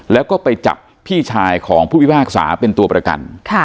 แล้วก็ไปจับพี่ชายของผู้พิพากษาเป็นตัวประกัน